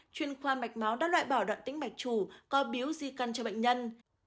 chuyên khoa mạch máu đã loại bỏ đoạn tính mạch chủ có biếu di cân cho bệnh nhân